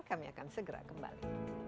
kami akan segera kembali